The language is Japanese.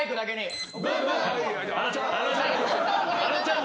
あのちゃん。